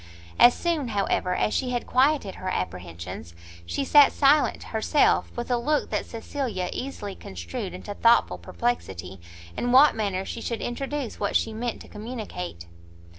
As soon, however, as she had quieted her apprehensions, she sat silent herself, with a look that Cecilia easily construed into thoughtful perplexity in what manner she should introduce what she meant to communicate.